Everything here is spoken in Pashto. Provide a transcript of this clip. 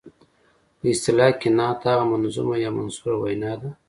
په اصطلاح کې نعت هغه منظومه یا منثوره وینا ده.